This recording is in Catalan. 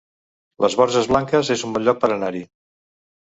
Les Borges Blanques es un bon lloc per anar-hi